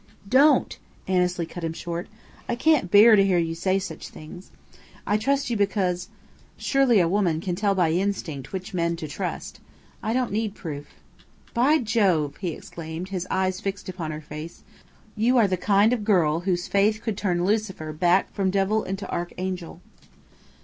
"Don't!" Annesley cut him short. "I can't bear to hear you say such things. I trust you because surely a woman can tell by instinct which men to trust. I don't need proof." "By Jove!" he exclaimed, his eyes fixed upon her face. "You are the kind of girl whose faith could turn Lucifer back from devil into archangel.